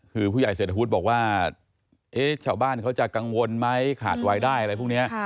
คือผู้ใหญ่เศรษฐวุฒิบอกว่าชาวบ้านเขาจะกังวลไหมขาดวายได้อะไรพวกนี้